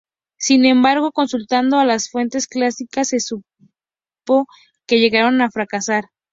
Sin embargo, consultando a las fuentes clásicas, se supo que llegaron a fracasar.